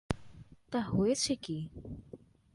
তা হয়েছে কী?